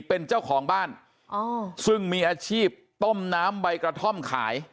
เป็นเจ้าของบ้านซึ่งมีอาชีพต้มน้ำใบกระท่อมขาย